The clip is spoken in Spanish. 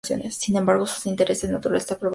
Sin embargo, sus intereses naturalistas prevalecieron.